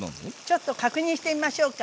ちょっと確認してみましょうか。